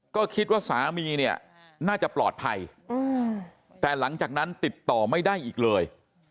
ก็คิดว่าสามีเนี่ยน่าจะปลอดภัยแต่หลังจากนั้นติดต่อไม่ได้อีกเลย